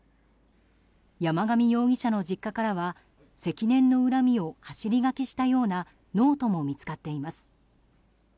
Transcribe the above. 山上容疑者の実家からは積年の恨みを走り書きしたようなノートも見つかっています。